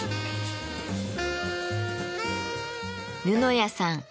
布谷さん